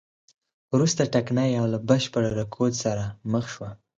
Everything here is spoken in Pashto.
وروسته ټکنۍ او له بشپړ رکود سره مخ شوه.